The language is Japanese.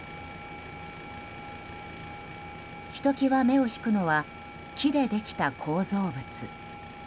ひときわ目を引くのは木でできた構造物。